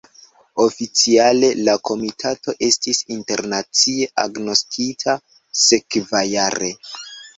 Oficiale, la komitato estis internacie agnoskita sekvajare.